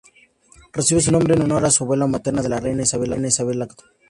Recibe su nombre en honor a su abuela materna la reina Isabel la Católica.